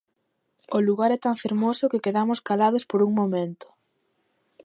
O lugar é tan fermoso que quedamos calados por un momento.